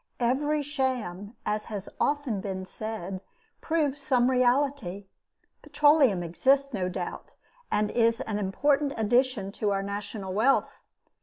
Every sham, as has often been said, proves some reality. Petroleum exists, no doubt, and is an important addition to our national wealth.